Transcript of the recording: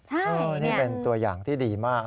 ใช่นี่เป็นตัวอย่างที่ดีมาก